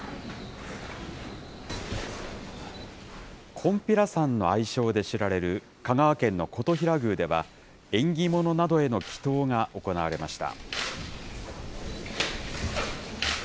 こんぴらさんの愛称で知られる、香川県の金刀比羅宮では、縁起物などへの祈とうが行われました。